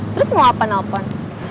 terus mau apa telfon